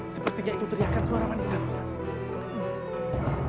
sepertinya itu teriakan suara wanita pak stant